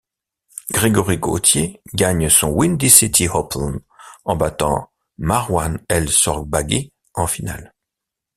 Grégory Gaultier gagne son Windy City Open, en battant Marwan El Shorbagy en finale.